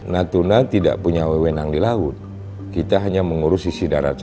natuna tidak punya wewenang di laut kita hanya mengurus sisi darat saja